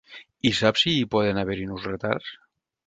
I sap si hi poden haver-hi nous retards?